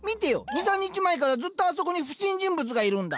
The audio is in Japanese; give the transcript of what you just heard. ２３日前からずっとあそこに不審人物がいるんだ。